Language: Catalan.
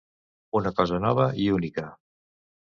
Una cosa nova i única.